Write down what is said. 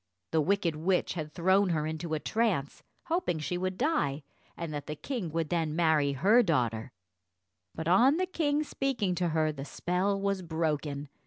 The wicked witch had thrown her into a trance, hoping she would die, and that the king would then marry her daughter; but on the king speaking to her, the spell was broken.